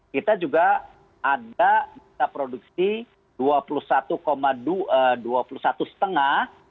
kita juga ada kita produksi dua puluh satu dua puluh satu lima